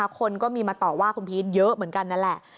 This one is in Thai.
คนก็มีมาต่อว่าคุณพีชเยอะเหมือนกันนั่นแหละ